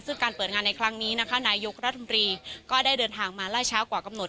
ซึ่งการเปิดงานในครั้งนี้นะคะนายกรัฐมนตรีก็ได้เดินทางมาไล่เช้ากว่ากำหนด